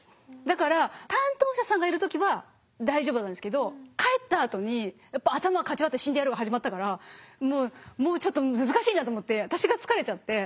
だから担当者さんがいる時は大丈夫なんですけど帰ったあとにやっぱ「頭かち割って死んでやる」が始まったからもうもうちょっと難しいなと思って私が疲れちゃって。